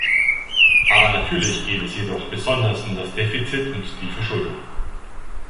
Aber natürlich geht es jedoch besonders um das Defizit und die Verschuldung.